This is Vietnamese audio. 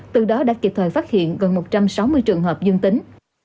từ đó đã kịp thời phát hiện gần một trăm sáu mươi trường hợp dương tính